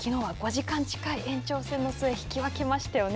きのうは５時間近い延長戦の末引き分けましたよね。